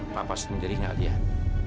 papa sendiri gak liat